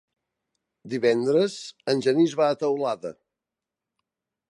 Divendres en Genís va a Teulada.